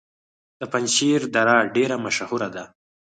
د پنجشیر دره ډیره مشهوره ده